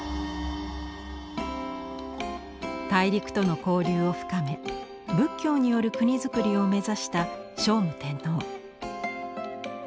大陸との交流を深め仏教による国造りを目指した聖武天皇。